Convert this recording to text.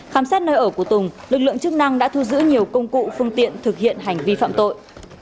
khám xét nơi ở của tùng lực lượng chức năng đã thu giữ nhiều công cụ phương tiện thực hiện hành vi phạm tội